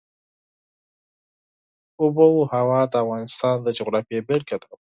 آب وهوا د افغانستان د جغرافیې بېلګه ده.